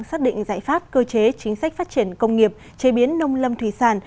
xác định giải pháp cơ chế chính sách phát triển công nghiệp chế biến nông lâm thủy sản